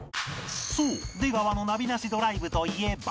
そう出川のナビ無しドライブといえば